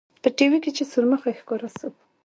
په ټي وي کښې چې سورمخى ښکاره سو.